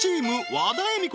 和田恵美子